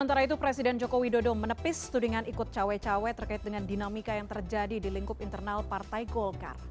sementara itu presiden joko widodo menepis tudingan ikut cawe cawe terkait dengan dinamika yang terjadi di lingkup internal partai golkar